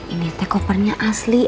ini te kopernya asli